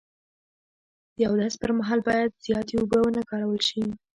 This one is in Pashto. د اودس پر مهال باید زیاتې اوبه و نه کارول شي.